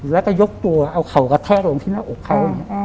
แล้วก็ยกตัวเอาเขากระแทกลงที่หน้าอกเขา